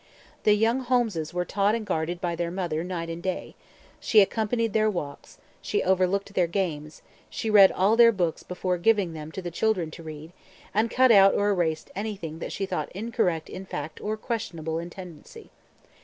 The young Holmeses were taught and guarded by their mother night and day; she accompanied their walks, she overlooked their games, she read all their books before giving them to the children to read, and cut out or erased anything that she thought incorrect in fact or questionable in tendency.